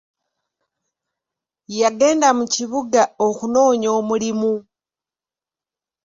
Yagenda mu kibuga okunoonya omulimu.